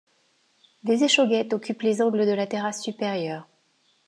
Des échauguettes occupent les angles de la terrasse supérieure.